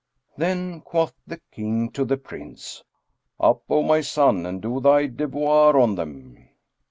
Then quoth the King to the Prince, "Up, O my son, and do thy devoir on them."